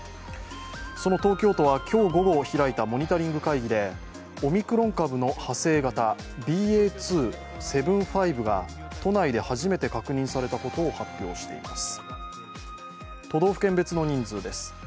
その東京都は今日午後開いたモニタリング会議でオミクロン株の派生型ＢＡ．２．７５が都内で初めて確認されたことを発表しています。